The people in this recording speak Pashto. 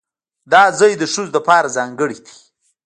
دا ځای د ښځو لپاره ځانګړی دی.